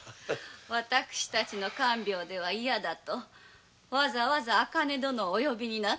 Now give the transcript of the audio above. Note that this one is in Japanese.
私たちの看病では嫌だとわざわざ茜殿をお呼びになったのです。